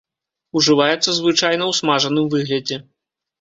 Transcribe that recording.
Ужываецца звычайна ў смажаным выглядзе.